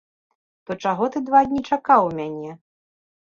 То чаго ты два дні чакаў у мяне?